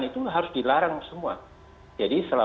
tandai andai tidak dikejar